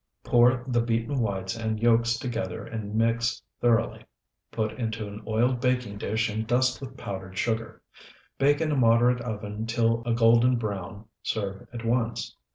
Pour the beaten whites and yolks together and mix thoroughly. Put into an oiled baking dish, and dust with powdered sugar. Bake in a moderate oven till a golden brown. Serve at once.